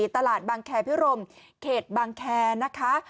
ตลาดบางแคพิรมเขตบางแคร์นะคะ